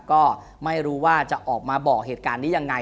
ก็ไม่รู้ว่าจะออกมาบอกเหตุการณ์นี้ยังไง